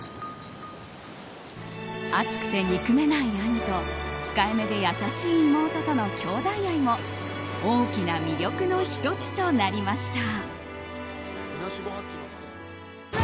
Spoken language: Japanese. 熱くて憎めない兄と控えめで優しい妹との兄妹愛も大きな魅力の１つとなりました。